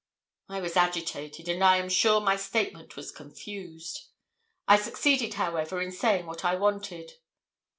I was agitated, and I am sure my statement was confused. I succeeded, however, in saying what I wanted.